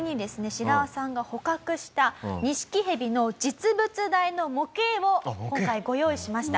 シラワさんが捕獲したニシキヘビの実物大の模型を今回ご用意しました。